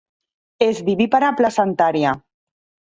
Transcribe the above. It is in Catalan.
És vivípara placentària.